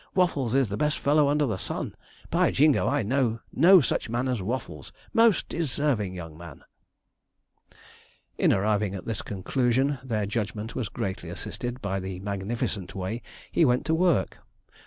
'Waffles is the best fellow under the sun! By Jingo, I know no such man as Waffles!' 'Most deserving young man!' In arriving at this conclusion, their judgement was greatly assisted by the magnificent way he went to work.